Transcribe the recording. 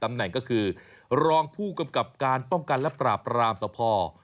แหนก็คือรองผู้กำกับการป้องกันและปราบรามสภ